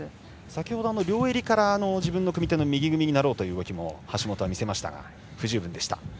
先ほど両襟から自分の組み手の右組みになろうという動きも橋本は見せましたが不十分でした。